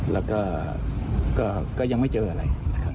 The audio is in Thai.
แล้วก็ยังไม่เจออะไร